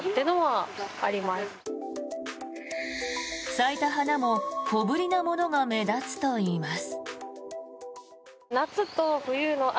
咲いた花も小ぶりなものが目立つといいます。